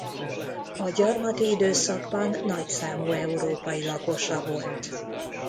A gyarmati időszakban nagy számú európai lakosa volt.